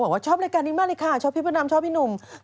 เค้าบอกว่าคือมีความจริตแล้วความมีผู้หญิง